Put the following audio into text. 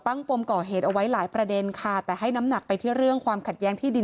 ปมก่อเหตุเอาไว้หลายประเด็นค่ะแต่ให้น้ำหนักไปที่เรื่องความขัดแย้งที่ดิน